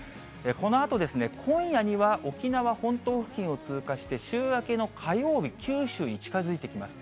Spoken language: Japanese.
このあと今夜には、沖縄本島付近を通過して、週明けの火曜日、九州に近づいてきます。